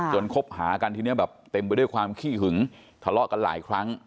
คบหากันทีนี้แบบเต็มไปด้วยความขี้หึงทะเลาะกันหลายครั้ง